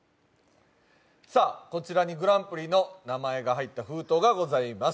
こちらにグランプリの名前が入った封筒がございます。